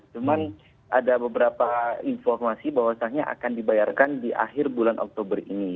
cuman ada beberapa informasi bahwasannya akan dibayarkan di akhir bulan oktober ini